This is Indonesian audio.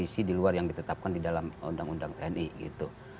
kondisi di luar yang ditetapkan di dalam undang undang tni gitu